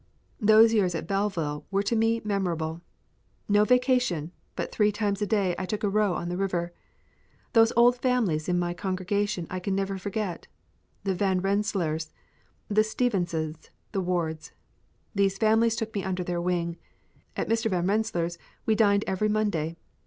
Those years at Belleville were to me memorable. No vacation, but three times a day I took a row on the river. Those old families in my congregation I can never forget the Van Rensselaers, the Stevenses, the Wards. These families took us under their wing. At Mr. Van Rensselaer's we dined every Monday.